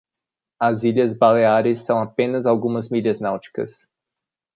As Ilhas Baleares são apenas algumas milhas náuticas.